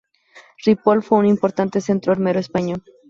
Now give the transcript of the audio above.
Ripoll fue un importante centro armero español.